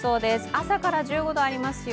朝から１５度ありますよ。